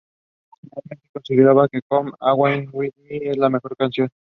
Finalmente, considera que "Come Away with Me" es la mejor canción.